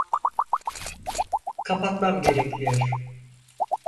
Kapatmam gerekiyor.